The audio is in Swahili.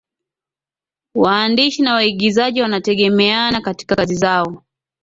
waandishi na waigizaji wanategemeana katika kazi zao